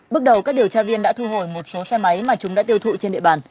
bước đầu các điều tra viên đã thu hồi một số xe máy mà chúng đã tiêu thụ trên địa bàn